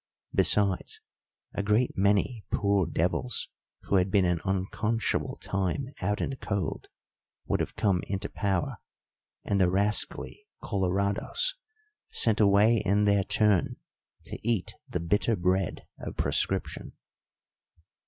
Besides, a great many poor devils who had been an unconscionable time out in the cold would have come into power, and the rascally Colorados sent away in their turn to eat the "bitter bread" of proscription.